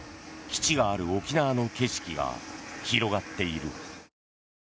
基地がある沖縄の景色が広がっている。